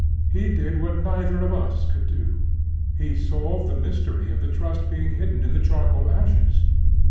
He did what neither of us could do—he solved the mystery of the Trust being hidden in the charcoal ashes.